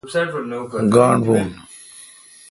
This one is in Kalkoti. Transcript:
گاݨڈ بھو ۔